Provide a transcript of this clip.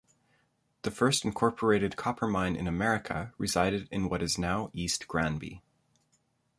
The first incorporated copper mine in America resided in what is now East Granby.